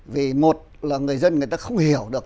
vì một là người dân người ta không hiểu được